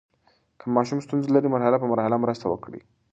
که ماشوم ستونزه لري، مرحله په مرحله مرسته وکړئ.